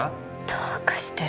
どうかしてるわ。